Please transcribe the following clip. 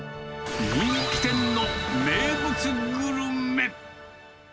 人気店の名物グルメ。